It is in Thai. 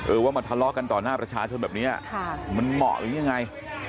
เออว่ามาทะเลากันต่อหน้าประชาชนแบบเนี้ยอ่ะค่ะมันเหมาะหรืองี่ยังไง